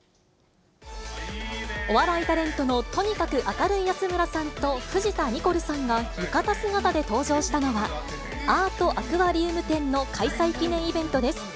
お笑いタレントのとにかく明るい安村さんと藤田ニコルさんが浴衣姿で登場したのは、アートアクアリウム展の開催記念イベントです。